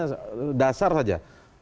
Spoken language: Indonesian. saya ingin bertanya saja